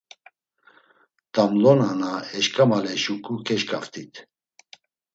T̆amlona na eşǩemaley şuǩu keşǩaft̆it.